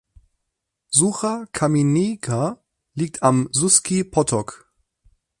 Sucha Kamienica liegt am "Suski potok".